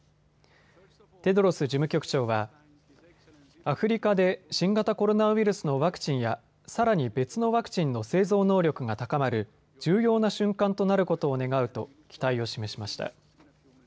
テドロス事務局長はアフリカで新型コロナウイルスのワクチンやさらに別のワクチンの製造能力が高まる重要な瞬間となることを願うと期待を示しました。